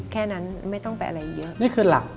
แค่นั้นไม่ต้องแปะอะไรเยอะ